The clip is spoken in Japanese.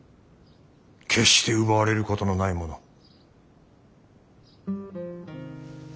決して奪われることのないもの。